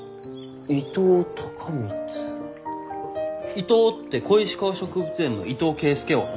「伊藤」って小石川植物園の伊藤圭介翁の？